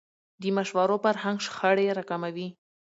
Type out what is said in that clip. د مشورو فرهنګ شخړې راکموي